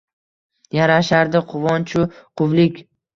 Yarashardi quvonch-u quvlik